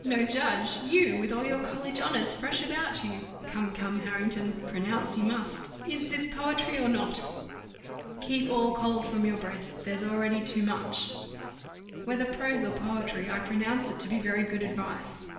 No judge! You! with all your college honours fresh about you. Come, come, Harrington, pronounce you must. Is this poetry or not? 'Keep all cold from your breast, there's already too much.'" "Whether prose or poetry, I pronounce it to be very good advice."